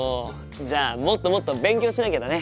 じゃあもっともっと勉強しなきゃだね。